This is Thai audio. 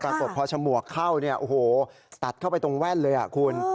ปรากฏพอฉมวกเข้าตัดเข้าไปตรงแว่นเลยคุณ